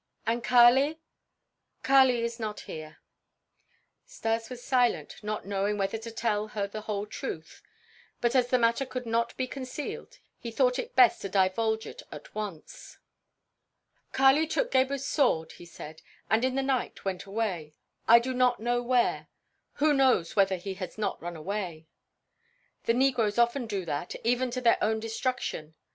"And Kali?" "Kali is not here." Stas was silent, not knowing whether to tell her the whole truth; but as the matter could not be concealed he thought it best to divulge it at once. "Kali took Gebhr's sword," he said, "and in the night went away; I do not know where. Who knows whether he has not run away? The negroes often do that, even to their own destruction.